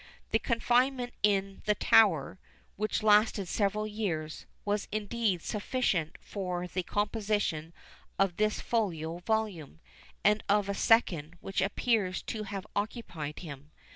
His confinement in the Tower, which lasted several years, was indeed sufficient for the composition of this folio volume, and of a second which appears to have occupied him.